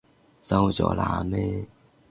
收咗喇咩？